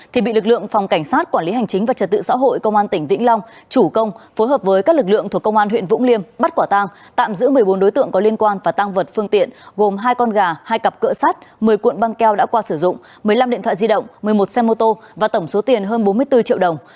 thì bị lực lượng phòng cảnh sát quản lý hành chính và trật tự xã hội công an tỉnh vĩnh long chủ công phối hợp với các lực lượng thuộc công an huyện vũng liêm bắt quả tang tạm giữ một mươi bốn đối tượng có liên quan và tăng vật phương tiện gồm hai con gà hai cặp cỡ sắt một mươi cuộn băng keo đã qua sử dụng một mươi năm điện thoại di động một mươi một xe mô tô và tổng số tiền hơn bốn mươi bốn triệu đồng